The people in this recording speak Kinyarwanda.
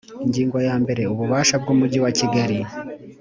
Ingingo ya mbere Ububasha bw’Umujyi wa Kigali